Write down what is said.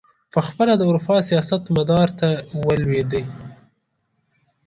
پخپله د اروپا سیاست مدار ته ولوېدی.